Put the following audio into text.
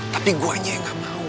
tapi gue aja yang gak mau